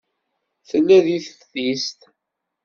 Tella deg teftist.